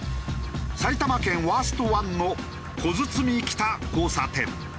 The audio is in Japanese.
埼玉県ワースト１の小堤交差点。